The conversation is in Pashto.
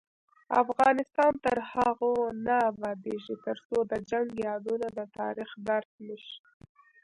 افغانستان تر هغو نه ابادیږي، ترڅو د جنګ یادونه د تاریخ درس نشي.